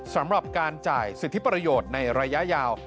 สำหรับการจ่ายสิทธิประโยชน์ในระยะยาว